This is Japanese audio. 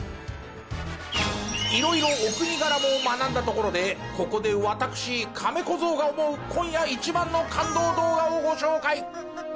色々お国柄も学んだところでここで私カメ小僧が思う今夜一番の感動動画をご紹介。